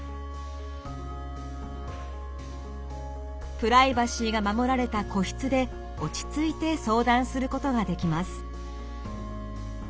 プライバシーが守られた個室で落ち着いて相談することができます。